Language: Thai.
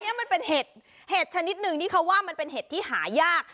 นี่มันเป็นเห็ดเห็ดชนิดหนึ่งที่เขาว่ามันเป็นเห็ดที่หายาก